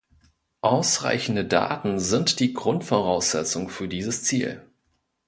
Ausreichende Daten sind die Grundvoraussetzung für dieses Ziel.